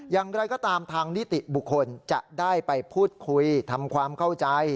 อย่างไรก็ตามทางนิติบุคคลจะได้ไปพูดคุยทำความเข้าใจ